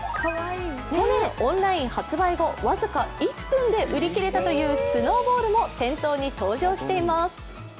去年オンライン発売後僅か１分で売り切れたというスノーボールも店頭に登場しています。